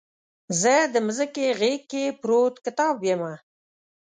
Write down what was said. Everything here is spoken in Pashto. زه دمځکې غیږ کې پروت کتاب یمه